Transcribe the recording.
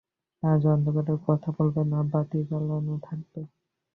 আজও অন্ধকারে কথা বলবে, না বাতি জ্বালানো থাকবে?